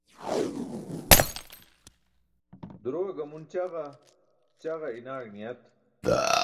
Durowe gamun ćaġa, ćaġa iṅaẏ niyat